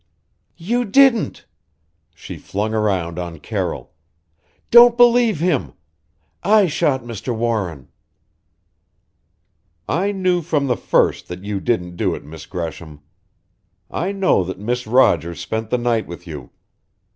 "You didn't!" She flung around on Carroll "Don't believe him. I shot Mr. Warren " "I knew from the first that you didn't do it, Miss Gresham. I know that Miss Rogers spent the night with you.